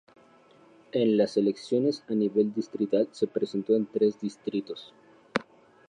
En las elecciones a nivel distrital se presentó en tres distritos.